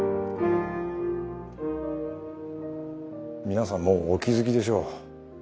皆さんもうお気付きでしょう。